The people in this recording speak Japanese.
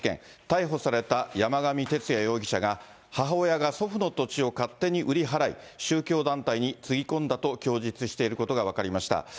逮捕された山上徹也容疑者が、母親が祖父の土地を勝手に売り払い、宗教団体につぎ込んだと供述していることが分かりました。